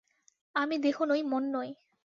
আমি দেহ নই, মন নই।